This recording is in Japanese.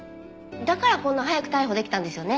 だからこんな早く逮捕できたんですよね？